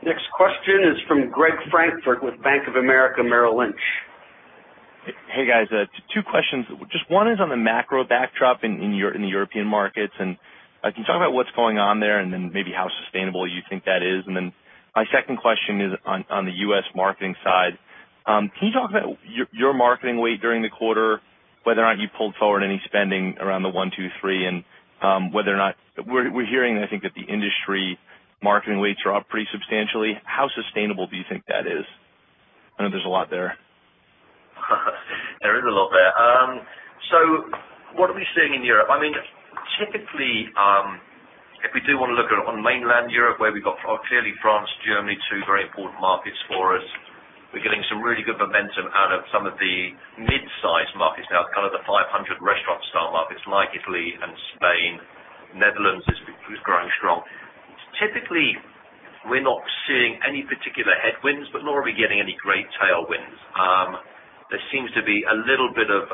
Next question is from Gregory Francfort with Bank of America Merrill Lynch. Hey, guys. Two questions. Just one is on the macro backdrop in the European markets. Can you talk about what's going on there and then maybe how sustainable you think that is? My second question is on the U.S. marketing side. Can you talk about your marketing weight during the quarter, whether or not you pulled forward any spending around the Dollar One, Two, Three, and whether or not we're hearing, I think, that the industry marketing rates are up pretty substantially. How sustainable do you think that is? I know there's a lot there. There is a lot there. What are we seeing in Europe? Typically, if we do want to look on mainland Europe where we've got clearly France, Germany, two very important markets for us. We're getting some really good momentum out of some of the mid-size markets now, kind of the 500 restaurant-style markets like Italy and Spain. Netherlands is growing strong. Typically, we're not seeing any particular headwinds. Nor are we getting any great tailwinds. There seems to be a little bit of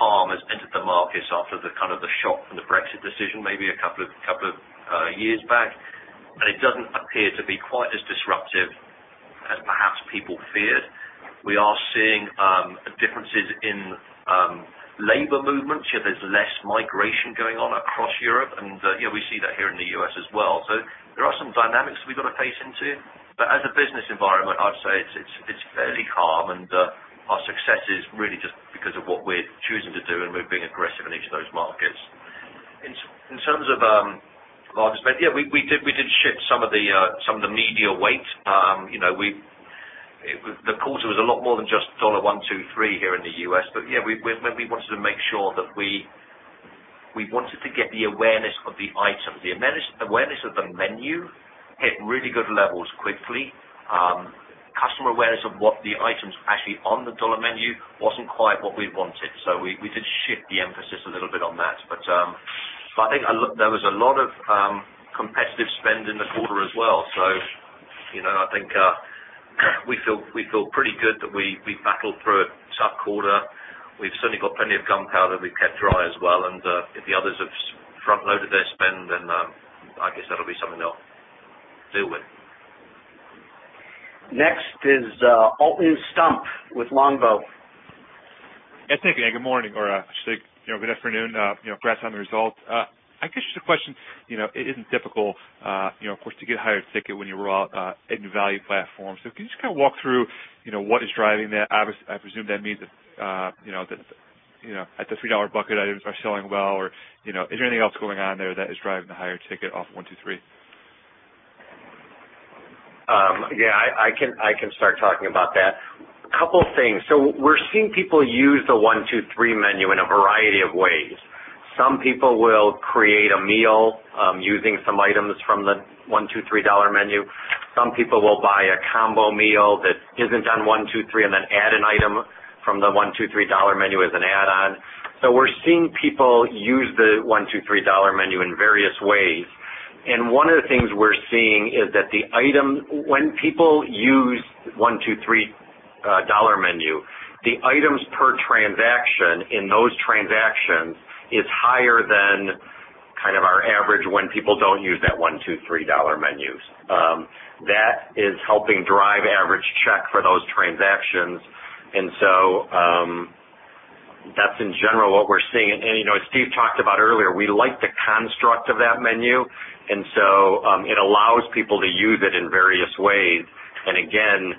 calm has entered the markets after the kind of the shock from the Brexit decision, maybe a couple of years back, and it doesn't appear to be quite as disruptive as perhaps people feared. We are seeing differences in labor movements. There's less migration going on across Europe and we see that here in the U.S. as well. There are some dynamics we've got to face into. As a business environment, I'd say it's fairly calm and our success is really just because of what we're choosing to do and we're being aggressive in each of those markets. In terms of larger spend, yeah, we did ship some of the media weight. The quarter was a lot more than just Dollar One, Two, Three here in the U.S. Yeah, we wanted to make sure that we wanted to get the awareness of the items. The awareness of the menu hit really good levels quickly. Customer awareness of what the items actually on the dollar menu wasn't quite what we wanted. We did shift the emphasis a little bit on that. I think there was a lot of competitive spend in the quarter as well. I think we feel pretty good that we battled through a tough quarter. We have certainly got plenty of gunpowder we have kept dry as well. If the others have front-loaded their spend, I guess that will be something they will deal with. Next is Alton Stump with Longbow. Thank you. Good morning, or I should say good afternoon. Congrats on the results. I guess just a question. It is not difficult of course to get higher ticket when you roll out added value platforms. Can you just walk through what is driving that? Obviously, I presume that means that the $3 bucket items are selling well or is there anything else going on there that is driving the higher ticket off One, Two, Three? I can start talking about that. A couple things. We are seeing people use the One, Two, Three menu in a variety of ways. Some people will create a meal using some items from the $1, $2, $3 menu. Some people will buy a combo meal that is not on One, Two, Three. Then add an item from the $1, $2, $3 menu as an add-on. We are seeing people use the $1, $2, $3 menu in various ways, and one of the things we are seeing is that when people use $1, $2, $3 menu, the items per transaction in those transactions is higher than kind of our average when people do not use that $1, $2, $3 menus. That is helping drive average check for those transactions. That is in general what we are seeing. As Steve talked about earlier, we like the construct of that menu. It allows people to use it in various ways. Again,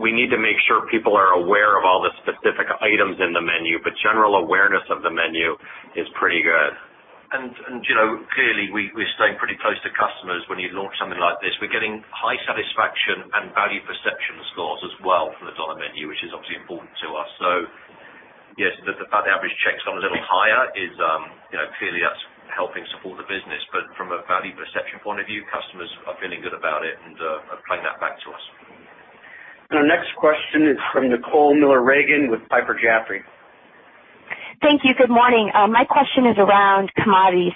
we need to make sure people are aware of all the specific items in the menu, but general awareness of the menu is pretty good. Clearly, we're staying pretty close to customers when you launch something like this. We're getting high satisfaction and value perception scores as well from the dollar menu, which is obviously important to us. Yes, the fact the average check's gone a little higher is clearly us helping support the business, but from a value perception point of view, customers are feeling good about it and are playing that back to us. Our next question is from Nicole Miller Regan with Piper Jaffray. Thank you. Good morning. My question is around commodities.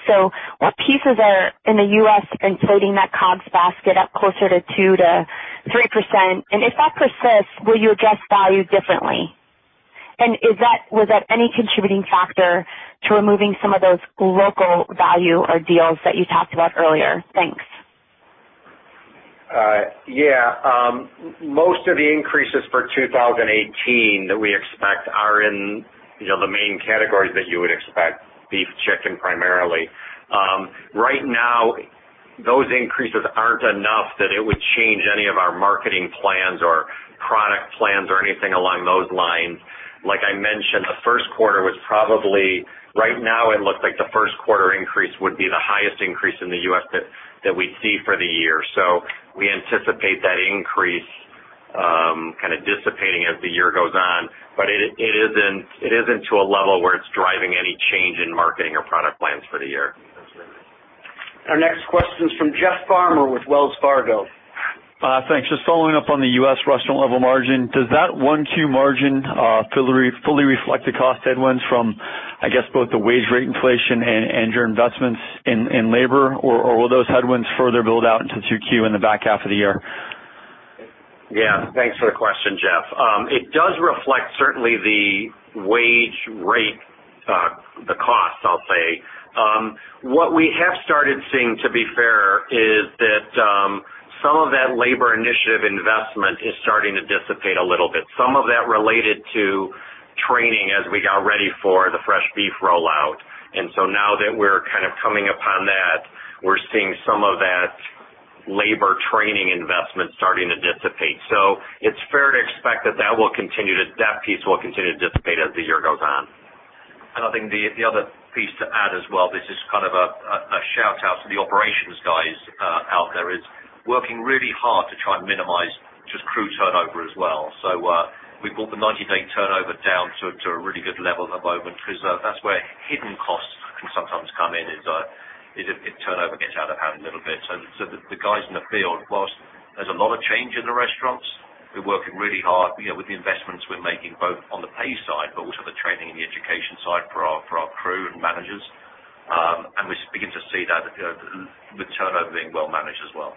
What pieces are in the U.S. inflating that COGS basket up closer to 2%-3%? If that persists, will you adjust value differently? Was that any contributing factor to removing some of those local value or deals that you talked about earlier? Thanks. Yeah. Most of the increases for 2018 that we expect are in the main categories that you would expect, beef, chicken, primarily. Right now, those increases aren't enough that it would change any of our marketing plans or product plans or anything along those lines. Like I mentioned, right now it looks like the first quarter increase would be the highest increase in the U.S. that we'd see for the year. We anticipate that increase kind of dissipating as the year goes on, but it isn't to a level where it's driving any change in marketing or product plans for the year. That's very nice. Our next question is from Jeff Farmer with Wells Fargo. Thanks. Just following up on the U.S. restaurant level margin. Does that one Q margin fully reflect the cost headwinds from, I guess, both the wage rate inflation and your investments in labor? Or will those headwinds further build out into two Q in the back half of the year? Thanks for the question, Jeff. It does reflect certainly the wage rate, the cost, I'll say. What we have started seeing, to be fair, is that some of that labor initiative investment is starting to dissipate a little bit. Some of that related to training as we got ready for the fresh beef rollout. Now that we're kind of coming upon that, we're seeing some of that labor training investment starting to dissipate. It's fair to expect that that piece will continue to dissipate as the year goes on. I think the other piece to add as well, this is kind of a shout-out to the operations guys out there, is working really hard to try and minimize just crew turnover as well. We've brought the 90-day turnover down to a really good level at the moment because that's where hidden costs can sometimes come in, is if turnover gets out of hand a little bit. So the guys in the field, while there's a lot of change in the restaurants, we're working really hard with the investments we're making, both on the pay side, but also the training and the education side for our crew and managers. And we're beginning to see that with turnover being well managed as well.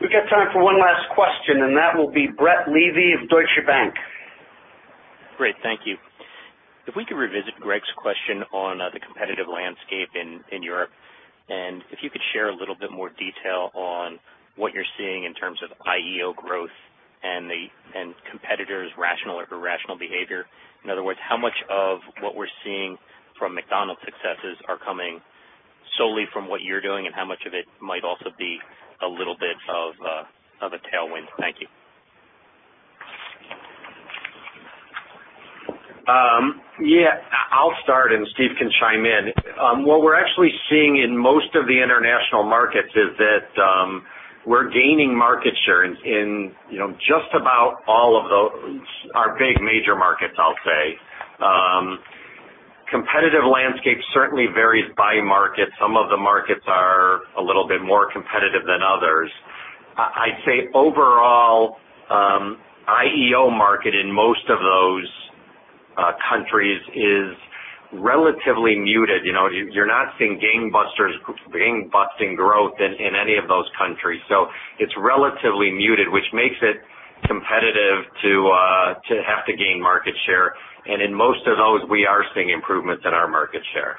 We've got time for one last question, and that will be Brett Levy of Deutsche Bank. Great. Thank you. If we could revisit Greg's question on the competitive landscape in Europe, and if you could share a little bit more detail on what you're seeing in terms of IEO growth and competitors' rational or irrational behavior. In other words, how much of what we're seeing from McDonald's successes are coming solely from what you're doing, and how much of it might also be a little bit of a tailwind? Thank you. I'll start and Steve can chime in. What we're actually seeing in most of the international markets is that we're gaining market share in just about all of our big major markets, I'll say. Competitive landscape certainly varies by market. Some of the markets are a little bit more competitive than others. I'd say overall, IEO market in most of those countries is relatively muted. You're not seeing gang-busting growth in any of those countries. It's relatively muted, which makes it competitive to have to gain market share. In most of those, we are seeing improvements in our market share.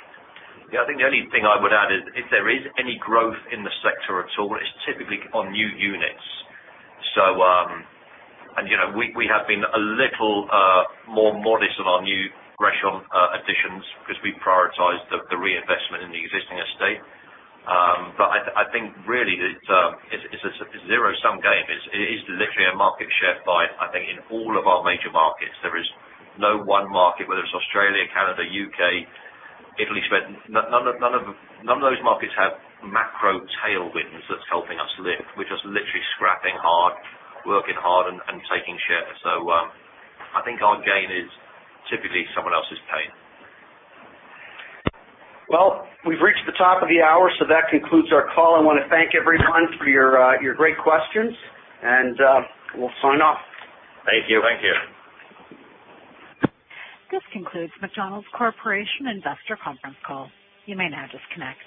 I think the only thing I would add is if there is any growth in the sector at all, it's typically on new units. We have been a little more modest on our new restaurant additions because we prioritize the reinvestment in the existing estate. I think really it's a zero-sum game. It is literally a market share buy, I think, in all of our major markets. There is no one market, whether it's Australia, Canada, U.K., Italy, Spain, none of those markets have macro tailwinds that's helping us lift. We're just literally scrapping hard, working hard, and taking share. I think our gain is typically someone else's pain. We've reached the top of the hour, that concludes our call. I want to thank everyone for your great questions, we'll sign off. Thank you. Thank you. This concludes McDonald's Corporation investor conference call. You may now disconnect.